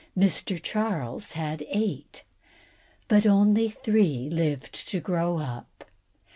Mr. Charles had eight, but only three lived to grow up.